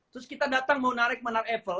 terus kita datang mau narik menara eiffel